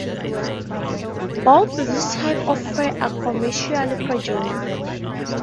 Both these types of fur are commercially produced.